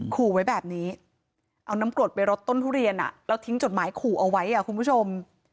ขู่ไว้แบบนี้เอาน้ำกรดไปรดต้นทุเรียนแล้วทิ้งจดหมายขู่เอาไว้คุณผู้ชม